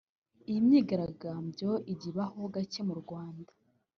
Iyi myigaragambyo ijya ibaho gake mu Rwanda